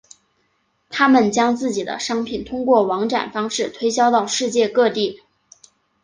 他们将自己的商品通过网展方式推销到世界各地。